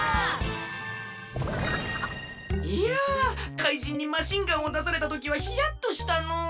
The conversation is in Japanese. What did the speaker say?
いや怪人にマシンガンをだされたときはヒヤッとしたの。